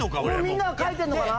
みんなは書いてんのかな？